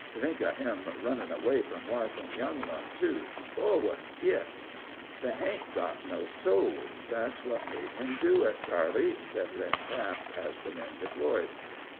To think of him runnin' away from wife, an' young one, too! Forward, git!" "They hain't got no souls that's what made him do it, Charley," said Lynn Taps, as the men deployed.